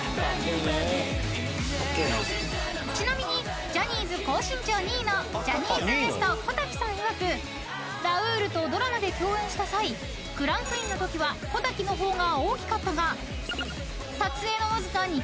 ［ちなみにジャニーズ高身長２位のジャニーズＷＥＳＴ小瀧さんいわくラウールとドラマで共演した際クランクインのときは小瀧の方が大きかったが］